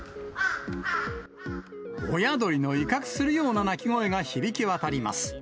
親鳥の威嚇するような鳴き声が響き渡ります。